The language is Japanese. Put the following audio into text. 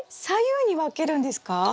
左右に分けるんですか？